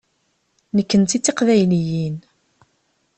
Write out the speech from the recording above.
Nekknti d tiqbayliyin.